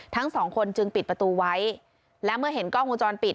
ทั้งสองคนจึงปิดประตูไว้และเมื่อเห็นกล้องวงจรปิด